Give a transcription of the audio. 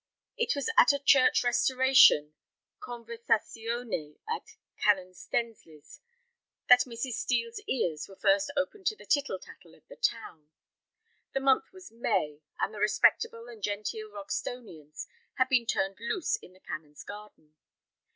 It was at a "Church Restoration" conversazione at Canon Stensly's that Mrs. Steel's ears were first opened to the tittle tattle of the town. The month was May, and the respectable and genteel Roxtonians had been turned loose in the Canon's garden.